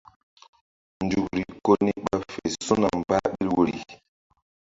Nzukri ko ni ɓa fe su̧na mbah ɓil woyri.